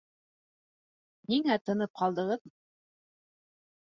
Ниңә тынып ҡалдығыҙ?